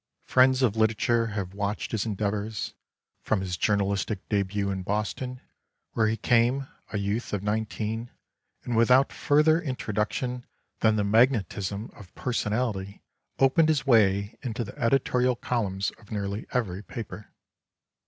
Friends of literature have watched his endeavors, from his journalistic debut in Boston, where he came, a youth of nineteen, and without further introduction than the magnet ism of personality opened his way into the editorial columns of nearly every paper.